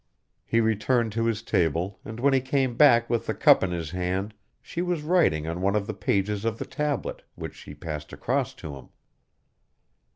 He returned to his table and when he came back with the cup in his hand she was writing on one of the pages of the tablet, which she passed across to him.